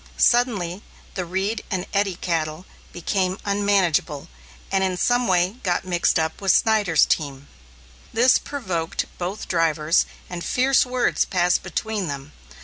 Suddenly, the Reed and Eddy cattle became unmanageable, and in some way got mixed up with Snyder's team. This provoked both drivers, and fierce words passed between them.